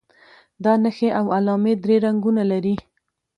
دا نښې او علامې درې رنګونه لري.